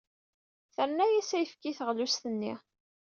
Terna-as ayefki i teɣlust-nni.